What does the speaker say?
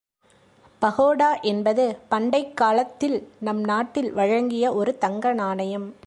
பகோடா என்பது பண்டைக்காலத்தில் நம் நாட்டில் வழங்கிய ஒரு தங்க நாணயம்.